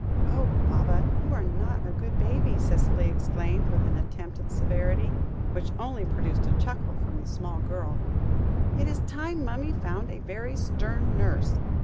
"Oh, Baba, you are not a good baby," Cicely exclaimed, with an attempt at severity, which only produced a chuckle from the small girl; "it is time mummy found a very stern nurse.